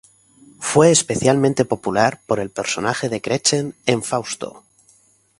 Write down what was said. Fue especialmente popular por el personaje de Gretchen en "Fausto".